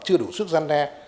chưa đủ sức gian đe